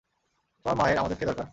তোমার মায়ের আমাদেরকে দরকার!